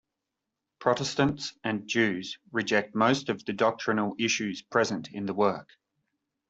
Protestants and Jews reject most of the doctrinal issues present in the work.